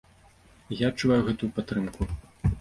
І я адчуваю гэтую падтрымку.